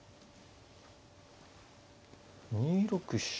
２六飛車。